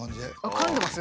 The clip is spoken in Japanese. かんでます？